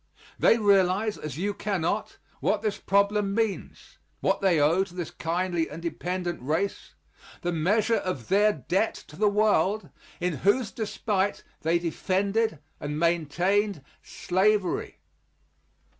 They realize, as you cannot, what this problem means what they owe to this kindly and dependent race the measure of their debt to the world in whose despite they defended and maintained slavery.